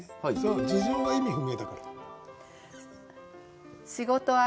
事情が意味不明だから。